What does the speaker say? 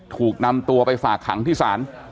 ถูกนำตัวไปฝากขังที่ศาล